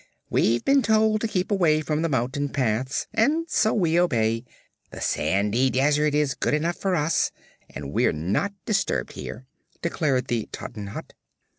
We've been told to keep away from the mountain paths, and so we obey. This sandy desert is good enough for us, and we're not disturbed here," declared the Tottenhot.